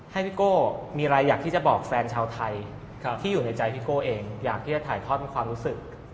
ให้พี่โก้มีอะไรอยากที่จะบอกแฟนชาวไทยที่อยู่ในใจพี่โก้เองอยากที่จะถ่ายทอดความรู้สึก